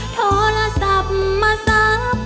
โทรละสับมาสับ